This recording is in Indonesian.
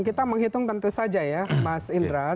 kita menghitung tentu saja ya mas indra